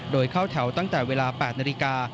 โดยเข้าแถวตั้งแต่เวลา๘นาฬิกา